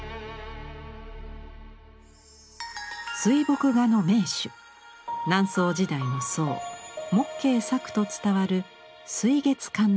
水墨画の名手南宋時代の僧牧谿作と伝わる「水月観音像」。